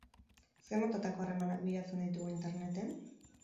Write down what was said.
Zein motatako harremanak bilatzen ditugu interneten?